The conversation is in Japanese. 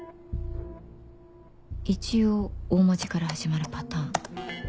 一応大文字から始まるパターン